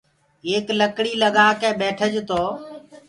ايڪ لڪڙيٚ لگآ ڪي ٻيٺج تو